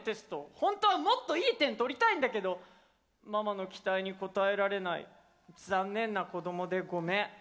本当はもっといい点取りたいんだけどママの期待に応えられないざんねんな子どもでごめん。